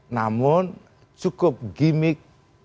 namun cukup gimmick